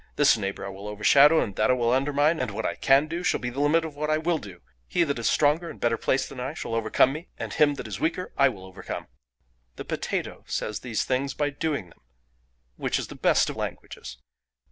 This neighbour I will overshadow, and that I will undermine; and what I can do shall be the limit of what I will do. He that is stronger and better placed than I shall overcome me, and him that is weaker I will overcome.' "The potato says these things by doing them, which is the best of languages.